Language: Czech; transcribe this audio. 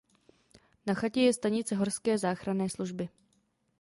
Na chatě je stanice Horské záchranné služby.